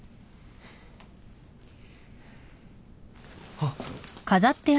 あっ。